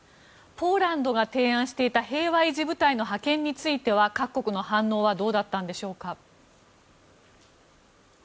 ポーランドが提案していた平和維持部隊の派遣については各国の反応はどうだったのでしょうか。